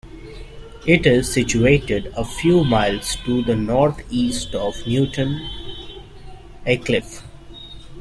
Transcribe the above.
It is situated a few miles to the north-east of Newton Aycliffe.